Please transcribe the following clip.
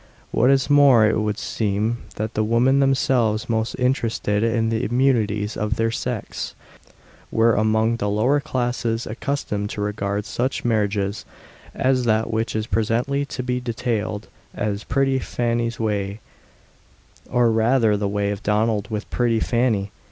What is more, it would seem that the women themselves, most interested in the immunities of their sex, were, among the lower classes, accustomed to regard such marriages as that which is presently to be detailed as "pretty Fanny's way," or rather, the way of Donald with pretty Fanny.